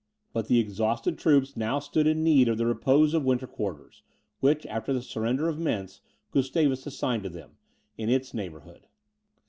But the exhausted troops now stood in need of the repose of winter quarters, which, after the surrender of Mentz, Gustavus assigned to them, in its neighbourhood.